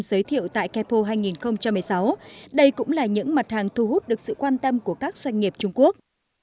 giới thiệu tại capo hai nghìn một mươi sáu đây cũng là những mặt hàng thu hút được sự quan tâm của các doanh nghiệp trung quốc